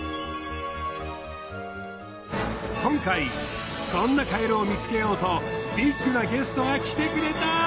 今回そんなカエルを見つけようとビッグなゲストが来てくれた。